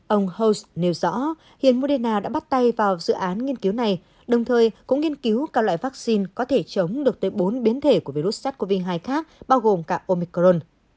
ông house nêu rõ hiện moderna đã bắt tay vào dự án nghiên cứu này đồng thời cũng nghiên cứu các loại vaccine có thể chống được tới bốn biến thể của virus sars cov hai khác bao gồm cả omicron